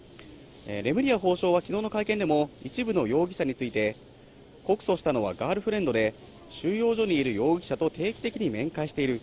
レムリヤ法相はきのうの会見でも、一部の容疑者について、告訴したのはガールフレンドで、収容所にいる容疑者と定期的に面会している。